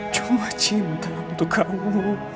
cuma cinta untuk kamu